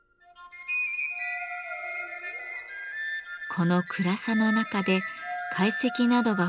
この暗さの中で懐石などがふるまわれます。